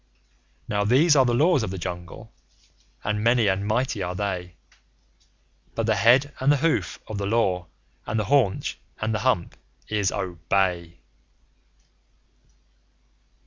Now these are the Laws of the Jungle, and many and mighty are they; But the head and the hoof of the Law and the haunch and the hump is Obey!